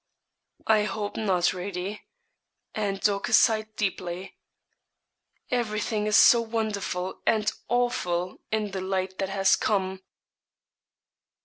'I hope not, Radie,' and Dorcas sighed deeply. 'Everything is so wonderful and awful in the light that has come.'